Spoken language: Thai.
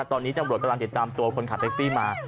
ตอนนี้ตำรวจกำลังติดตามตัวคนขับแท็กซี่มา